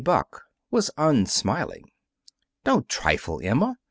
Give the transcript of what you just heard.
Buck was unsmiling. "Don't trifle, Emma.